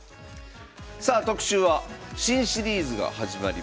さあ特集は新シリーズが始まります。